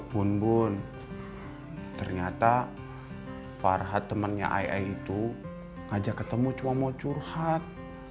bun bun ternyata farhan temennya ay ay itu ngajak ketemu cuamau curhat